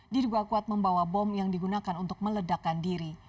diduga kuat membawa bom yang digunakan untuk meledakan diri